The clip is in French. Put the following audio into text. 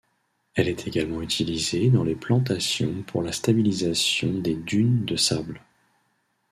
Elle est également utilisée dans les plantations pour la stabilisation des dunes de sable.